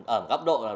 ở gấp độ